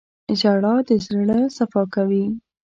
• ژړا د زړه صفا کوي.